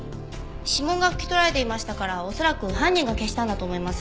指紋が拭き取られていましたから恐らく犯人が消したんだと思います。